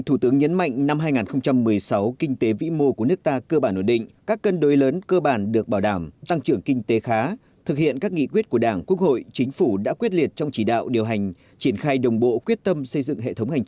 thủ tướng nguyễn xuân phúc đã chủ trì hội nghị trực tuyến của chính phủ với các địa phương thảo luận các giải phóng